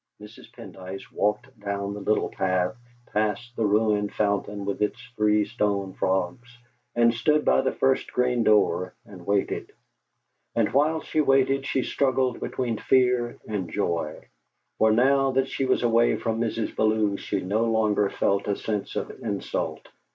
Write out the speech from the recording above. Mrs. Pendyce walked down the little path, past the ruined fountain with its three stone frogs, and stood by the first green door and waited. And while she waited she struggled between fear and joy; for now that she was away from Mrs. Bellew she no longer felt a sense of insult.